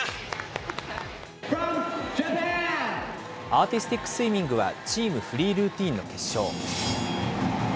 アーティスティックスイミングは、チームフリールーティンの決勝。